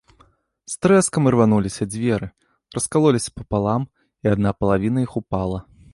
З трэскам ірвануліся дзверы, раскалоліся папалам, і адна палавіна іх упала.